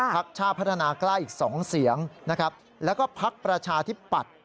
พักชาติพัฒนาใกล้อีก๒เสียงแล้วก็พักประชาทิบปัด